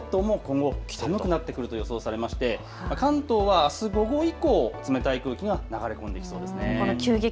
つまり日本列島も今後寒くなってくると予想されまして、関東はあす午後以降、冷たい空気が流れ込んできそうです。